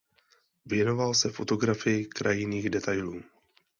Věnoval se fotografii krajinných detailů.